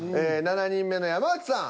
７人目の山内さん